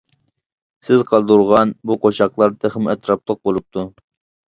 سىز قالدۇرغان بۇ قوشاقلار تېخىمۇ ئەتراپلىق بولۇپتۇ.